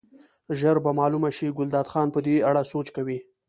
ژر به معلومه شي، ګلداد خان په دې اړه سوچ کوي.